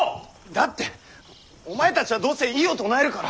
だってお前たちはどうせ異を唱えるから。